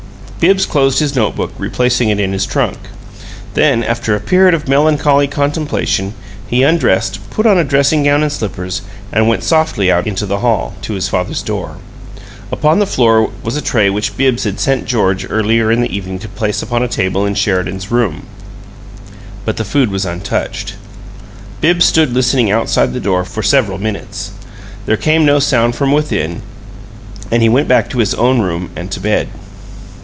Bibbs closed his note book, replacing it in his trunk. Then, after a period of melancholy contemplation, he undressed, put on a dressing gown and slippers, and went softly out into the hall to his father's door. Upon the floor was a tray which Bibbs had sent George, earlier in the evening, to place upon a table in Sheridan's room but the food was untouched. Bibbs stood listening outside the door for several minutes. There came no sound from within, and he went back to his own room and to bed.